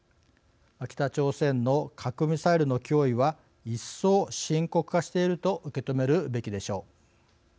北朝鮮の核ミサイルの脅威は一層、深刻化していると受け止めるべきでしょう。